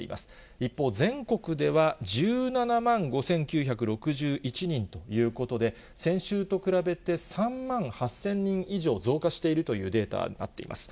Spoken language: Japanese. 一方、全国では１７万５９６１人ということで、先週と比べて３万８０００人以上増加しているというデータになっています。